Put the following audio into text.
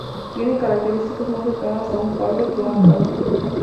Tiene características más cercanas a un Parque que a una Plaza.